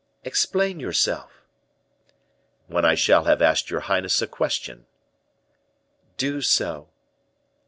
"Explain yourself." "When I shall have asked your highness a question." "Do so."